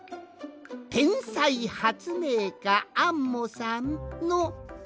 「てんさいはつめいかアンモさん」の「て」！